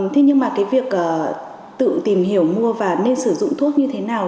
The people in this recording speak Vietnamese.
thế nhưng mà cái việc tự tìm hiểu mua và nên sử dụng thuốc như thế nào